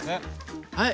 はい。